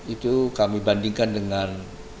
itu kami bandingkan dengan